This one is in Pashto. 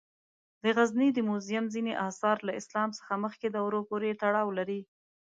د غزني د موزیم ځینې آثار له اسلام څخه مخکې دورو پورې تړاو لري.